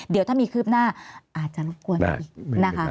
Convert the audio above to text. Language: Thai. เดี๋ยวถ้ามีคืบหน้าอาจจะรับกวน